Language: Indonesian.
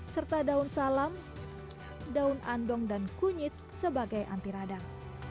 serta daun salam daun andong dan kunyit sebagai anti radang